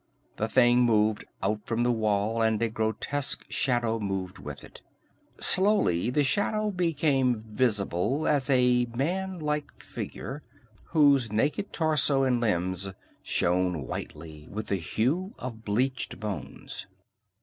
The thing moved out from the wall and a grotesque shadow moved with it. Slowly the shadow became visible as a man like figure whose naked torso and limbs shone whitely, with the hue of bleached bones.